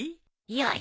よし！